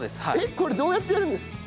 これどうやってやるんですか？